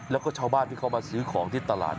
แล้วก็ชาวบ้านที่เขามาซื้อของที่ตลาด